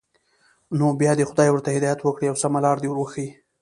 نو بیا دې خدای ورته هدایت وکړي او سمه لاره دې ور وښيي.